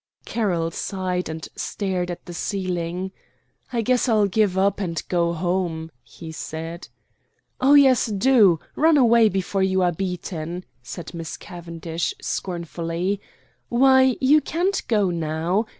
Carroll sighed and stared at the ceiling. "I guess I'll give up and go home," he said. "Oh, yes, do, run away before you are beaten," said Miss Cavendish, scornfully. "Why, you can't go now.